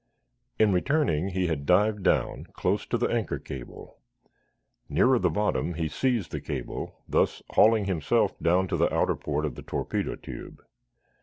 In returning, he had dived down, close to the anchor cable. Nearer the bottom he seized the cable, thus hauling himself down to the outer port of the torpedo tube.